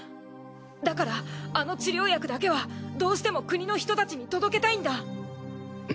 だからあの治療薬だけはどうしても国の人たちに届けたいんだ。